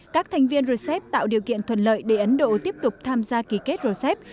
các thành viên rcep tạo điều kiện thuận lợi để ấn độ tiếp tục tham gia ký kết rcep